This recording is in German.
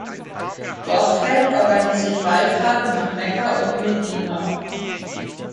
Borgfeldt organisiert Wallfahrten nach Mekka und Medina.